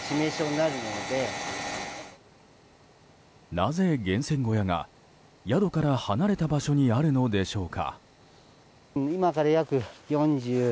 なぜ、源泉小屋が宿から離れた場所にあるのでしょうか。